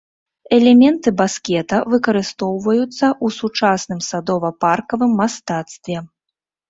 Элементы баскета выкарыстоўваюцца ў сучасным садова-паркавым мастацтве.